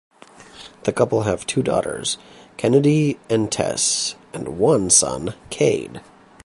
The couple have two daughters, Kennedie and Tess, and one son, Kade.